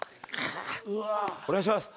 お願いします。